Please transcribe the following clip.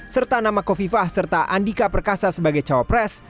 serta nama kofifah serta andika perkasa sebagai cawapres